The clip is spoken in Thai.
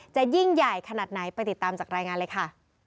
จะยิ่งใหญ่ขนาดไหนไปติดตามจากรายงานเลยค่ะ